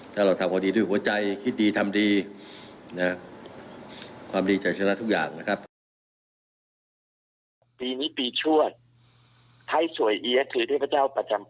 ถ้าเราทำพอดีด้วยหัวใจคิดดีทำดีนะความดีใจชนะทุกอย่างนะครับ